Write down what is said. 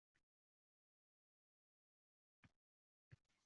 hamda xaridorga ajoyib bir o'y, tushuncha berib qo'yadi.